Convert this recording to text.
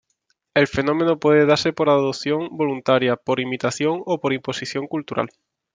El fenómeno puede darse por adopción voluntaria, por imitación, o por imposición cultural.